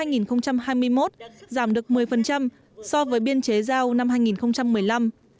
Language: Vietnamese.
giảm được một mươi so với biên chế giao năm hai nghìn một mươi năm